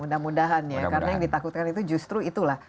mudah mudahan ya karena yang ditakutkan itu justru itulah